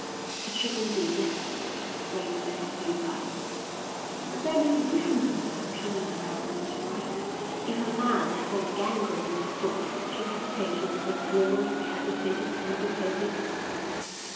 It shouldn't be necessary to persuade a man to do that." "But there may be differences of opinion about what is right." "If a man had a gangrenous foot would you have patience with anyone who hesitated to amputate it?"